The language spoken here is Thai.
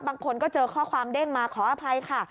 บางคนก็เจอข้อความเด้งมาขออภัยค่ะ